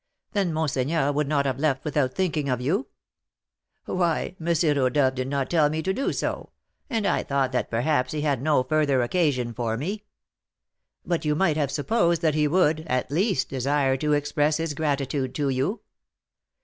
Then monseigneur would not have left without thinking of you." "Why, M. Rodolph did not tell me to do so, and I thought that perhaps he had no further occasion for me." "But you might have supposed that he would, at least, desire to express his gratitude to you."